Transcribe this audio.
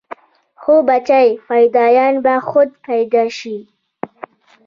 هو بچى فدايان به خود پيدا شي.